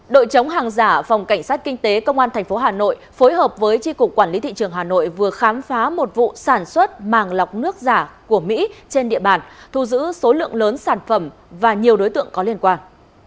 đội chống hàng giả phòng cảnh sát kinh tế công an tp hà nội phối hợp với tri cục quản lý thị trường hà nội vừa khám phá một vụ sản xuất màng lọc nước giả của mỹ trên địa bàn thu giữ số lượng lớn sản phẩm và nhiều đối tượng có liên quan